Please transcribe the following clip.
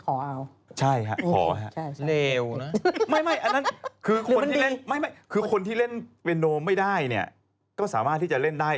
เลวนะไม่คือคนที่เล่นเพียนโนไม่ได้เนี้ยก็สามารถที่จะเล่นได้